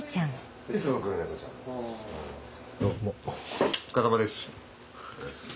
お疲れさまです。